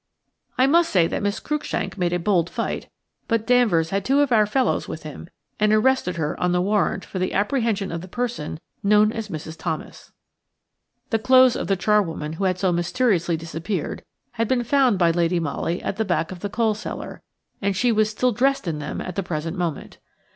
I must say that Miss Cruikshank made a bold fight, but Danvers had two of our fellows with him, and arrested her on the warrant for the apprehension of the person known as Mrs. Thomas. The clothes of the charwoman who had so mysteriously disappeared had been found by Lady Molly at the back of the coal cellar, and she was still dressed in them at the present moment.